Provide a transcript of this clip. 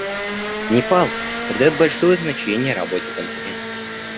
Непал придает большое значение работе Конференции.